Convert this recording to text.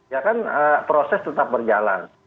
ya kan proses tetap berjalan